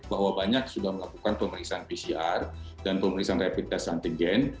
bahwa banyak sudah melakukan pemeriksaan pcr dan pemeriksaan rapid test antigen